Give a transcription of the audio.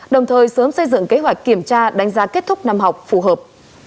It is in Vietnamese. đồng thời sớm xây dựng kế hoạch kiểm tra đánh giá kết thúc năm học phù hợp